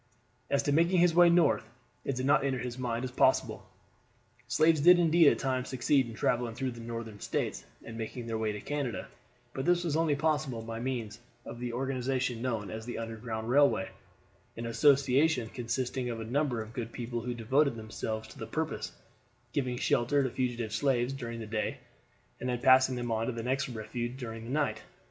As to making his way north, it did not enter his mind as possible. Slaves did indeed at times succeed in traveling through the Northern States and making their way to Canada, but this was only possible by means of the organization known as the underground railway, an association consisting of a number of good people who devoted themselves to the purpose, giving shelter to fugitive slaves during the day, and then passing them on to the next refuge during the night.